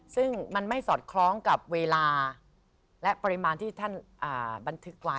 ซึ่งมันไม่สอดคล้องกับเวลาและปริมาณที่ท่านบันทึกไว้